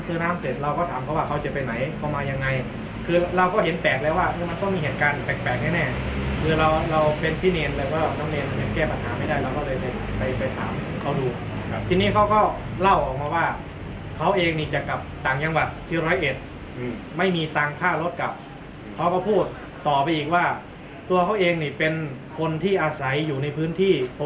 น้ำเสร็จเราก็ถามเขาว่าเขาจะไปไหนเขามายังไงคือเราก็เห็นแปลกแล้วว่ามันต้องมีเหตุการณ์แปลกแปลกแน่คือเราเราเป็นพี่เนรแบบว่าน้องเนรมันยังแก้ปัญหาไม่ได้เราก็เลยไปไปถามเขาดูครับทีนี้เขาก็เล่าออกมาว่าเขาเองนี่จะกลับต่างจังหวัดที่ร้อยเอ็ดไม่มีตังค์ค่ารถกลับเขาก็พูดต่อไปอีกว่าตัวเขาเองนี่เป็นคนที่อาศัยอยู่ในพื้นที่โพ